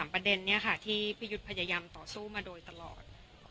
ประเด็นนี้ค่ะที่พี่ยุทธพยายามต่อสู้มาโดยตลอด